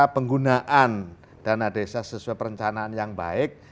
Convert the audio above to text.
penggunaan dana desa sesuai perencanaan yang baik